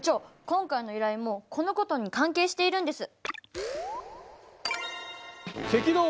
今回の依頼もこのことに関係しているんです。